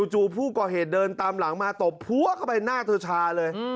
จู่ผู้ก่อเหตุเดินตามหลังมาตบพัวเข้าไปหน้าเธอชาเลย